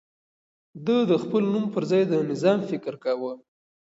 ده د خپل نوم پر ځای د نظام فکر کاوه.